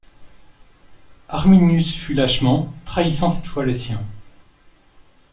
Arminius fuit lâchement trahissant cette fois les siens.